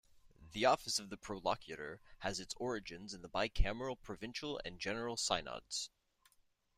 The office of Prolocutor has its origins in the bi-cameral Provincial and General Synods.